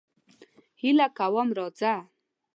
هیله کوم راځه.